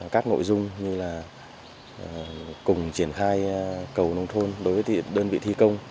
các nội dung như là cùng triển khai cầu nông thôn đối với đơn vị thi công